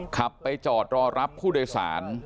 ขับไปจอดรอรับผู้โดยสาร